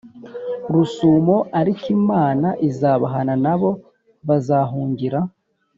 rusumo ariko Imana izabahana na bo bazahungira